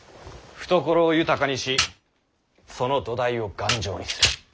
懐を豊かにしその土台を頑丈にする。